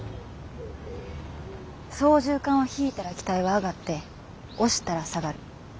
操縦かんを引いたら機体は上がって押したら下がる。